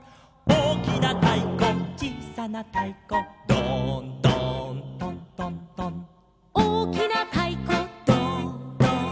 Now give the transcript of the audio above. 「おおきなたいこちいさなたいこ」「ドーンドーントントントン」「おおきなたいこドーンドーン」